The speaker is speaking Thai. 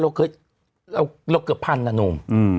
เราเกือบภันธ์นะนูม